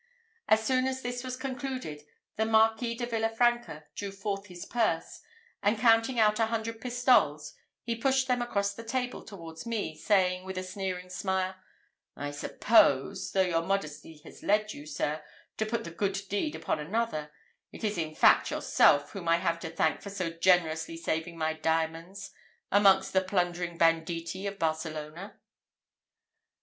As soon as this was concluded, the Marquis de Villa Franca drew forth his purse, and counting out a hundred pistoles, he pushed them across the table towards me, saying, with a sneering smile, "I suppose, though your modesty has led you, sir, to put the good deed upon another, it is in fact yourself whom I have to thank for so generously saving my diamonds, amongst the plundering banditti of Barcelona?"